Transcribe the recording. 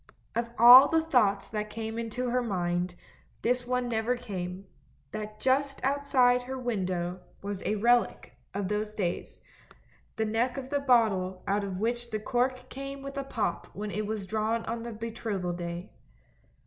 Of all the thoughts that came into her mind, this one never came, that just outside her window was a relic of those days, the neck of the bottle out of which the cork came with a pop when it was drawn on the betrothal day.